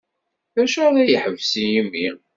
D acu ara ad yeḥbes yimi.